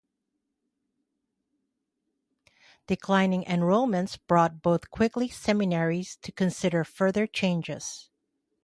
Declining enrollments brought both Quigley seminaries to consider further changes.